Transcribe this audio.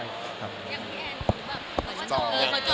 ข้าวชอมมานาน